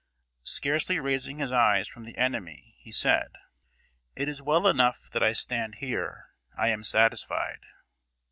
Scarcely raising his eyes from the enemy, he said: "It is well enough that I stand here. I am satisfied."